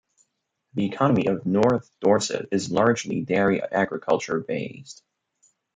The economy of North Dorset is largely dairy agriculture based.